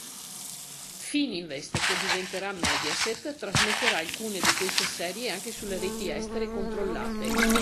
Fininvest, che diventerà Mediaset, trasmetterà alcune di queste serie anche sulle reti estere controllate.